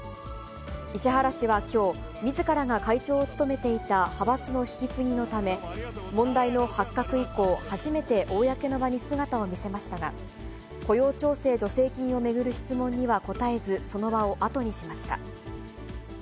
石原氏はきょう、みずからが会長が務めていた派閥の引き継ぎのため、問題の発覚以降初めて、公の場に姿を見せましたが、雇用調整助成金を巡る質問には答えず、その場を後にしました。